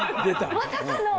まさかの？